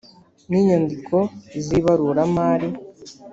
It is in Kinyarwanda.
n inyandiko z ibaruramari